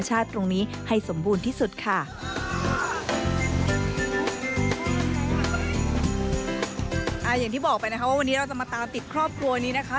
อย่างที่บอกไปนะคะว่าวันนี้เราจะมาตามติดครอบครัวนี้นะคะ